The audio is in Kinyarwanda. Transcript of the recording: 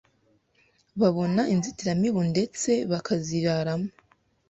babona inzitiramibu ndetse bakaziraramo,